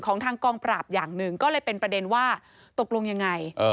ของทางกองปราบอย่างหนึ่งก็เลยเป็นประเด็นว่าตกลงยังไง